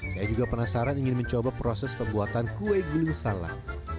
saya juga penasaran ingin mencoba proses pembuatan kue guling salak